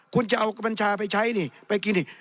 คุณจะเอากัญชาไปใช้นี่ไปกินนี่